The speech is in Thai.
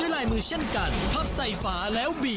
ได้คู่ชมดีแล้ว